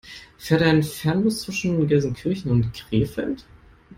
Fährt ein Fernbus zwischen Gelsenkirchen und Krefeld?